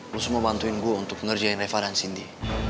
lo semua bantuin gue untuk ngerjain reva dan cindy